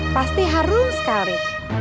pasti harum sekali